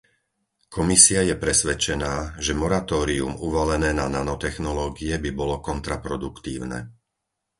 Komisia je presvedčená, že moratórium uvalené na nanotechnológie by bolo kontraproduktívne.